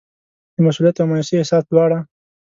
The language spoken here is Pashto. د مسوولیت او مایوسۍ احساس دواړه.